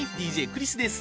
ＤＪクリスです。